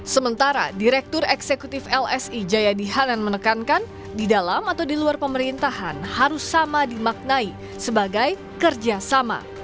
sementara direktur eksekutif lsi jayadi hanan menekankan di dalam atau di luar pemerintahan harus sama dimaknai sebagai kerjasama